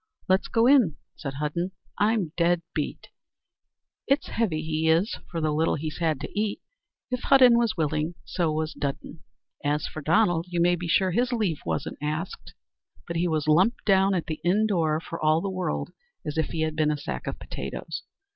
"Let's go in," said Hudden; "I'm dead beat. It's heavy he is for the little he had to eat." If Hudden was willing, so was Dudden. As for Donald, you may be sure his leave wasn't asked, but he was lumped down at the inn door for all the world as if he had been a sack of potatoes.